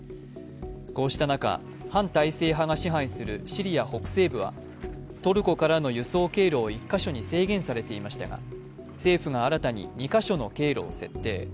こうした中、反体制派が支配するシリア北西部はトルコからの輸送経路を１か所に制限されていましたが政府が新たに２か所の経路を設定。